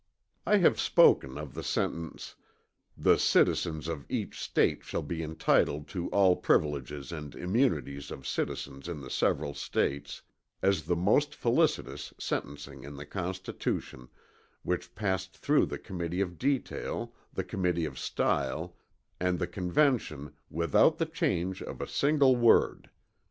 I have spoken of the sentence, "The citizens of each State shall be entitled to all privileges and immunities of citizens in the several States" as the most felicitous sentence in the Constitution, which passed through the Committee of Detail, the Committee of Style, and the Convention without the change of a single word.